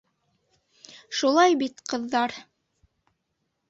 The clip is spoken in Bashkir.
Шулай бит, ҡыҙҙар?